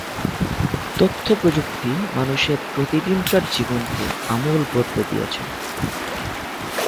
তথ্যপ্রযুক্তি মানুষের প্রতিদিনকার জীবনকে আমূল বদলে দিয়েছে।